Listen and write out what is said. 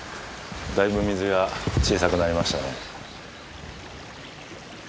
だいぶ水が小さくなりましたね。